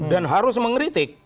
dan harus mengkritik